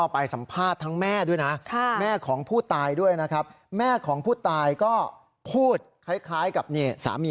เพราะว่าอย่างอื่นไม่มีละ